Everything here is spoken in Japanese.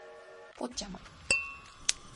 ポッチャマ